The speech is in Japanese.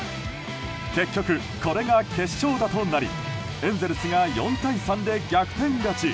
結局、これが決勝打となりエンゼルスが４対３で逆転勝ち。